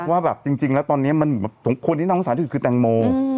ว่าแบบจริงแล้วตอนนี้คนที่นั่งคุณสาธิตคือแตงโม